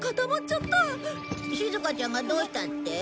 しずかちゃんがどうしたって？